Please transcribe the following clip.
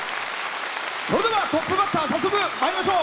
それではトップバッター早速まいりましょう。